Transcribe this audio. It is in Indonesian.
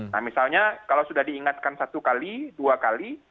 nah misalnya kalau sudah diingatkan satu kali dua kali